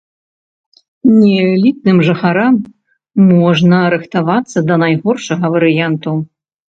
Неэлітным жыхарам можна рыхтавацца да найгоршага варыянту.